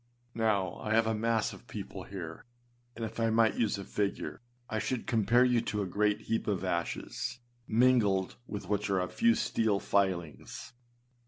Now, I have a mass of people here; and if I might use a figure, I should compare you to a great heap of ashes, mingled with which are a few steel filings.